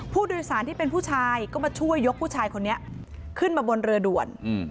ผู้โดยสารที่เป็นผู้ชายก็มาช่วยยกผู้ชายคนนี้ขึ้นมาบนเรือด่วน